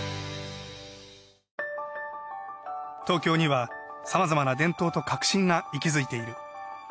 東京にはさまざまな伝統と革新が息づいている。